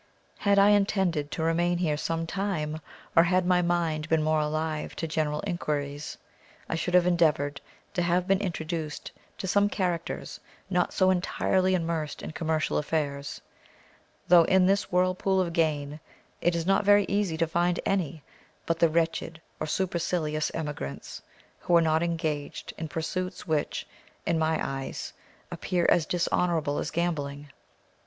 Had I intended to remain here some time, or had my mind been more alive to general inquiries, I should have endeavoured to have been introduced to some characters not so entirely immersed in commercial affairs, though in this whirlpool of gain it is not very easy to find any but the wretched or supercilious emigrants, who are not engaged in pursuits which, in my eyes, appear as dishonourable as gambling.